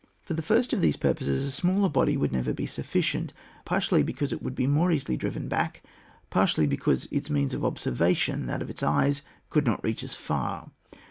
For the first of these purposes a smaller body would never be sufficient, partly be cause it would be more easily driven back, partly because its means of observation — that is its eyes— could not reach as far.